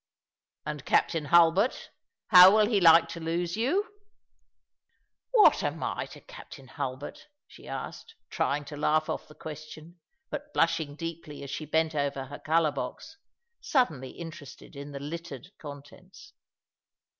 " And Captain Hulbert — how will he like to lose you ?"" What am I to Captain Hulbert? " she asked, trying to laugh off the question, but blushing deeply as she bent over her colour box, suddenly interested in the littered contents.